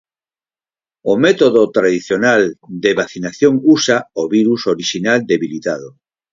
O método tradicional de vacinación usa o virus orixinal debilitado.